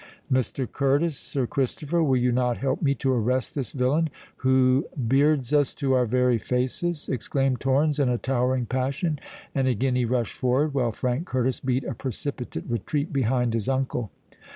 "Mr. Curtis—Sir Christopher—will you not help me to arrest this villain who beards us to our very faces?" exclaimed Torrens, in a towering passion. And again he rushed forward, while Frank Curtis beat a precipitate retreat behind his uncle.